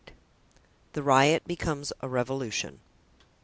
The Riot becomes a Revolution.